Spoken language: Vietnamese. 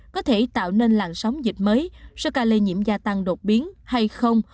có thể tạo nên làn sóng dịch mới số ca lây nhiễm gia tăng đột biến hay không